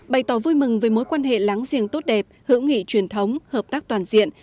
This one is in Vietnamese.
bày tỏ vui mừng với mối quan hệ láng giềng tốt đẹp hữu nghị truyền thống hợp tác toàn diện